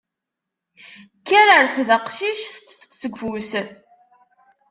Kker, rfed aqcic teṭṭfeḍ-t seg ufus.